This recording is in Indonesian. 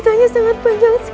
jangan lagi membuat onar di sini